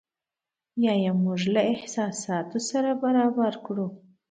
یا یې زموږ له احساساتو سره برابر کړو.